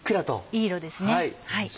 いい色ですね。